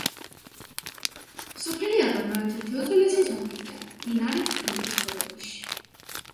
სოფელი აბანო ერთ-ერთი უძველესი სოფელია მდინარე ფრონის ხეობაში.